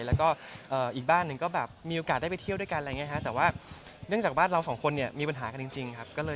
แล้วก็อีกบ้านหนึ่งก็มีโอกาสได้ไปเที่ยวด้วยกันแต่ว่าเนื่องจากบ้านเราสองคนมีปัญหากันจริง